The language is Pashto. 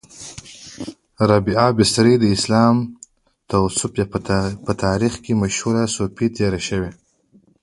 را بعه بصري د اسلامې تصوف په تاریخ کې مشهوره صوفۍ تیره شوی